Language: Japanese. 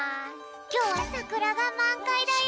きょうはさくらがまんかいだよ！